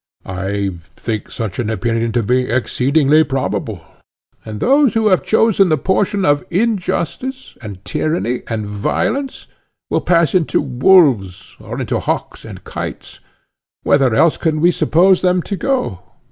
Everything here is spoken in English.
I think such an opinion to be exceedingly probable. And those who have chosen the portion of injustice, and tyranny, and violence, will pass into wolves, or into hawks and kites;—whither else can we suppose them to go?